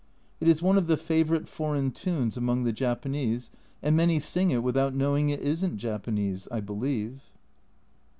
It is one of the favourite foreign tunes among the Japanese, and many sing it without knowing it isn't Japanese, I believe.